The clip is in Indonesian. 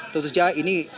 tentu saja ini sangat